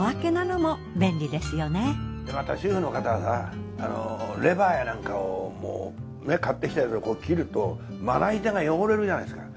でまた主婦の方はさレバーやなんかを買ってきたやつを切るとまな板が汚れるじゃないですか。